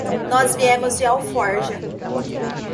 Nós viemos de Alforja.